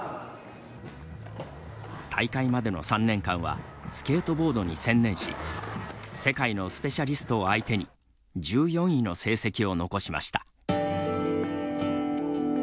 大会までの３年間はスケートボードに専念し世界のスペシャリストを相手に１４位の成績を残しました。